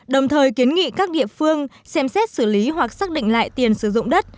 đồng thời kiến nghị các địa phương xem xét xử lý hoặc xác định lại tiền sử dụng đất